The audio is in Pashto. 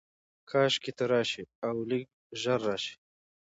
کاشکي ته راشې، اولږ ژر راشې